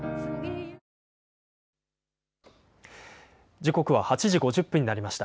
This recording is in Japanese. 時刻は８時５０分になりました。